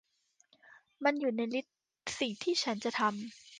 มันอยู่ในลิสต์สิ่งที่ฉันจะทำ